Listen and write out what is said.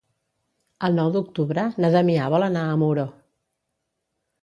El nou d'octubre na Damià vol anar a Muro.